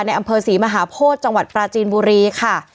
อำเภอศรีมหาโพธิจังหวัดปราจีนบุรีค่ะ